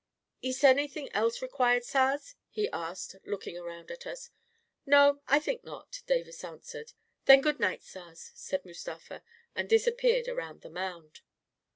44 Iss anything else required, saars?" he asked, looking around at us. " No, I think not," Davis answered. " Then good night, saars," said Mustafa, and disappeared around the mound.